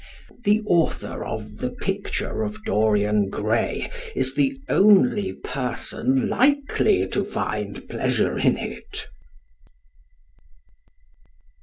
The author of "The Picture of Dorian Gray" is the only person likely to find pleasure in it.